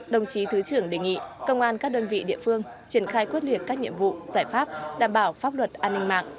đồng chí thứ trưởng đề nghị công an các đơn vị địa phương triển khai quyết liệt các nhiệm vụ giải pháp đảm bảo pháp luật an ninh mạng